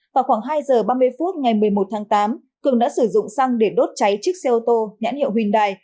vào khoảng hai giờ ba mươi phút ngày một mươi một tháng tám cường đã sử dụng xăng để đốt cháy chiếc xe ô tô nhãn hiệu huỳnh đài